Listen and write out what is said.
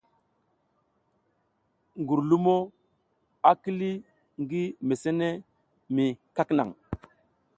Gurlumo i kuli ngi mesene mi kwak naŋ.